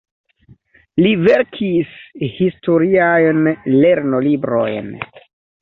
Li verkis historiajn lernolibrojn.